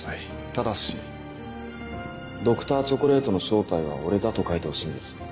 ただしＤｒ．チョコレートの正体は俺だと書いてほしいんです。